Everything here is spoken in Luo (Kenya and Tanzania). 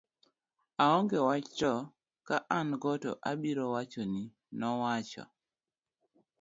aonge wach to ka an go to abiro wachoni, nowacho